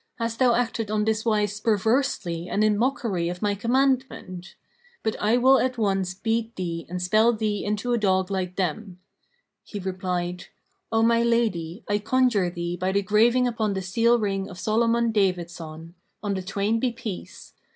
Hast thou acted on this wise perversely and in mockery of my commandment? But I will at once beat thee and spell thee into a dog like them." He replied, "O my lady, I conjure thee by the graving upon the seal ring of Solomon David son (on the twain be peace!)